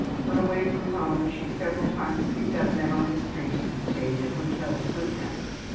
When away from home she several times picked up men on the street and stayed at hotels with them.